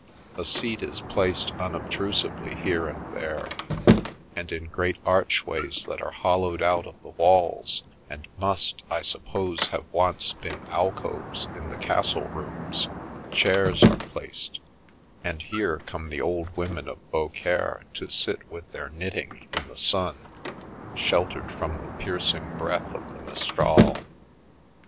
A seat is placed unobtrusively here and there ; and, in great archways that are hollowed out of the walls, and must, I suppose, have once been alcoves in the castle rooms, chairs are placed, and here come the old women of Beaucaire to sit with their knitting in the sun, sheltered from the piercing breath of the mistral.